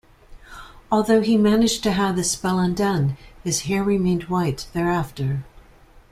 Although he managed to have the spell undone, his hair remained white thereafter.